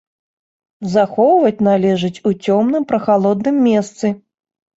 Захоўваць належыць у цёмным прахалодным месцы.